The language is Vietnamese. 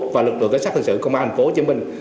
và lực lượng cảnh sát thân sự công an hành phố hồ chí minh